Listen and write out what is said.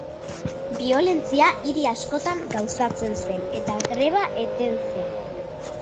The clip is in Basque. Biolentzia hiri askotan gauzatu zen, eta greba eten zen.